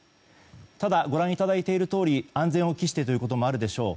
ただ、ご覧いただいているとおり安全を期してということもあるでしょう